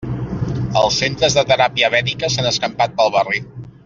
Els centres de teràpia vèdica s'han escampat pel barri.